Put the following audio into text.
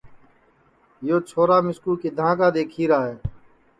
یو چھورا مِسکُو کِدھاں کا دؔیکھیرا ہے